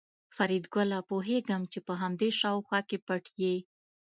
فریدګله پوهېږم چې په همدې شاوخوا کې پټ یې